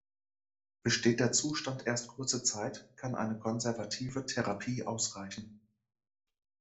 Besteht der Zustand erst kurze Zeit, kann eine konservative Therapie ausreichen.